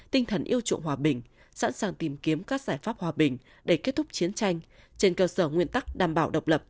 tinh thần yêu trụng hòa bình sẵn sàng tìm kiếm các giải pháp hòa bình để kết thúc chiến tranh trên cơ sở nguyên tắc đảm bảo độc lập